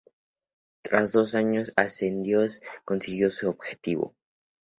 Tras dos años de asedios, consiguió su objetivo.